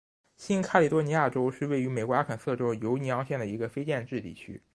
新喀里多尼亚是位于美国阿肯色州犹尼昂县的一个非建制地区。